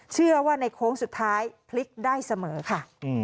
เชื่อว่าในโค้งสุดท้ายพลิกได้เสมอค่ะ